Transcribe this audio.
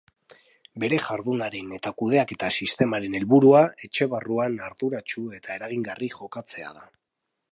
Bere jardunaren eta kudeaketa sistemaren helburua etxe barruan arduratsu eta eragingarri jokatzea da.